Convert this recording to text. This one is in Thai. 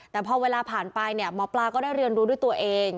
แต่พอเวลาผ่านไปเนี่ยหมอปลาก็ได้เรียนรู้ด้วยตัวเอง